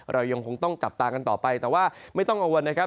เรายังคงต้องจับตากันต่อไปแต่ว่าไม่ต้องกังวลนะครับ